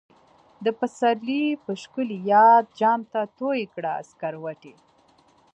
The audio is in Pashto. د پسرلی په شکلی یاد، جام ته تویی کړه سکروټی